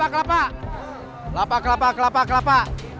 kelapa kelapa kelapa kelapa